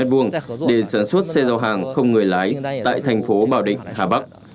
chúng tôi sản xuất xe giao hàng không người lái tại thành phố bảo định hà bắc